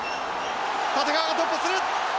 立川が突破する。